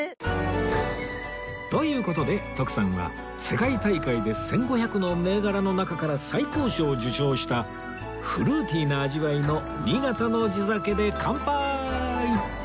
という事で徳さんは世界大会で１５００の銘柄の中から最高賞を受賞したフルーティーな味わいの新潟の地酒で乾杯！